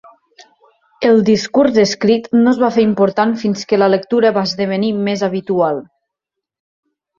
El discurs escrit no es va fer important fins que la lectura va esdevenir més habitual.